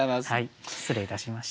失礼いたしました。